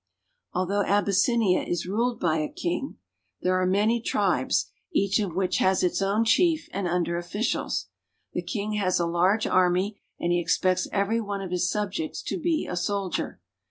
Although Abyssinia is ruled by a king, there are many THE ROOK OF AFRICA — AHVSfilNlA tribes each of which has its own chief and underofFicials.* The king has a large army, and he expects every one of his subjects to be a soldier.